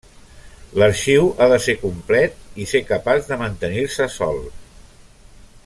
L'arxiu ha de ser complet i ser capaç de mantenir-se sol.